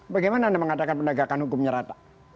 bagaimana anda mengatakan penegakan hukumnya rata